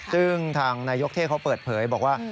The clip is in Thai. ซึ่งทางนายกเทศเขาเปิดเผยบอกว่า